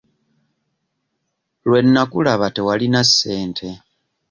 Lwe nnakulaba tewalina ssente.